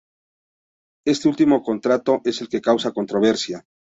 Este último contrato es el que causa controversia.